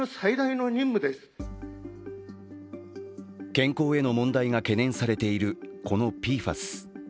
健康への問題が懸念されているこのＰＦＡＳ。